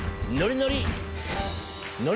ノリノリ！